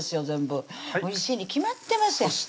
全部おいしいに決まってますやん